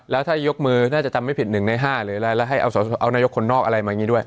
แล้วถ้ายกมือน่าจะจำไม่ผิด๑ใน๕หรืออะไรแล้วให้เอานายกคนนอกอะไรมาอย่างนี้ด้วย